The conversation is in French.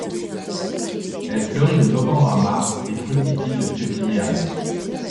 Elle fleurit de novembre à mars et fructifie de février à mai.